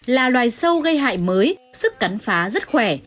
là loài sâu gây hại mới sức cắn phá rất khỏe